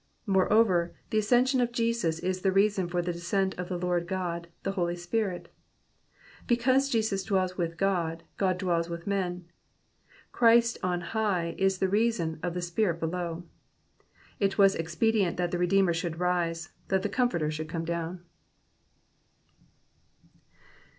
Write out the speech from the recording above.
Moreover, the ascension of Jesus is the reason for the descent of the Lord Qod, the Holy Spirit. Because Jesus dwells with God, God dwells with men. Christ on high is the reason of the Spirit below. It was expedient that the Redeemer should rise, that the Comforter should come down.